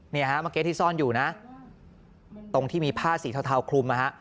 เมื่อกี้ที่ซ่อนอยู่นะตรงที่มีผ้าสีเทาคลุมนะฮะ